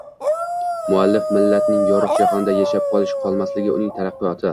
Muallif millatning yorug' jahonda yashab qolish-qolmasligi, uning taraqqiyoti